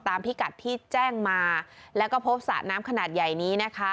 พิกัดที่แจ้งมาแล้วก็พบสระน้ำขนาดใหญ่นี้นะคะ